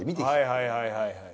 はいはいはいはい。